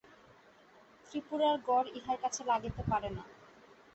ত্রিপুরার গড় ইহার কাছে লাগিতে পারে না।